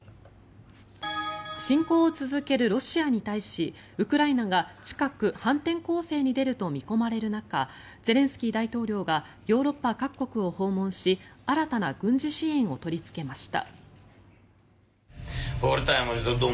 侵攻を続けるロシアに対しウクライナが近く、反転攻勢に出ると見込まれる中ゼレンスキー大統領がヨーロッパ各国を訪問し新たな軍事支援を取りつけました。